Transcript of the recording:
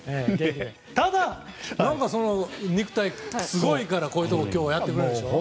ただ肉体がすごいからこういうことを今日はやってくれるんでしょ。